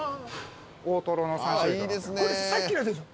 これさっきのやつでしょ？